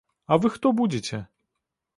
А вы хто будзеце?